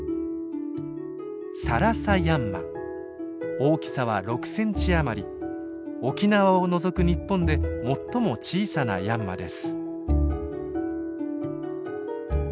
大きさは６センチ余り沖縄を除く日本で最も小さなヤンマです。